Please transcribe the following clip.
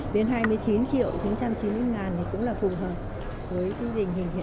cũng là phù hợp với kinh tế hình hiện nay